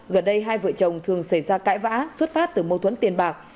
gần đây hai vợ chồng thường xảy ra cãi vã xuất phát từ mâu thuẫn tiền bạc